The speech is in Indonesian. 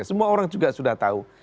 semua orang juga sudah tahu